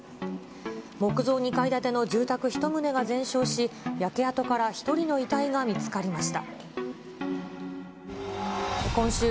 木造２階建ての住宅１棟が全焼し、焼け跡から１人の遺体が見つかりました。